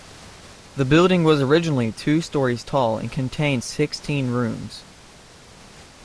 The building was originally two stories tall and contained sixteen rooms.